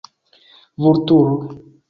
Vulturo!